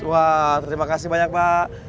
wah terima kasih banyak pak